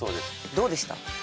どうでした？